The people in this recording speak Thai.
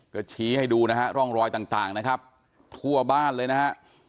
ก็ชี้ให้ดูนะฮะร่องรอยต่างนะครับทั่วบ้านเลยนะฮะ